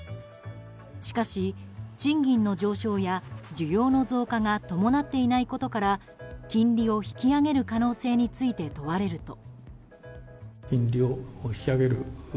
しかし、賃金の上昇や需要の増加が伴っていないことから金利を引き上げる可能性について問われると。